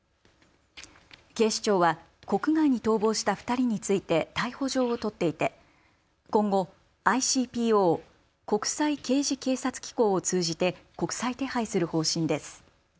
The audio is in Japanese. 警視庁は国外に逃亡した２人について逮捕状を取っていて今後、ＩＣＰＯ・国際刑事警察機構を通じて国際手配する方針です。